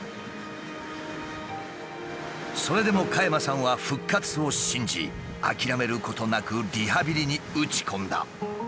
それでも加山さんは復活を信じ諦めることなくリハビリに打ち込んだ。